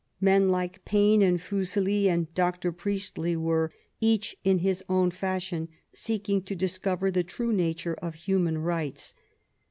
Men like Paine and Fuseli and Dr. Priestley were, each in his own fashion, seeking to discover the true nature of human rights.